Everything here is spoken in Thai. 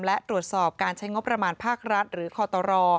และตรวจสอบการใช้งบประมาณภาครัฐหรือคอตร